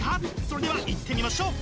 それではいってみましょう！